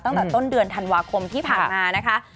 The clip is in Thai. ตั้งแต่ต้นเดือนธันวาคมที่ผ่านมานะคะ